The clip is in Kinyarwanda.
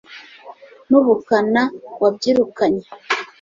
n'ubukaka wabyirukanye